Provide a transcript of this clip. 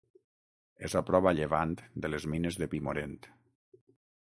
És a prop a llevant de les Mines de Pimorent.